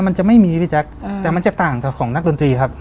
มันจะไม่มีพี่แจ๊คแต่มันจะต่างกับของนักดนตรีครับ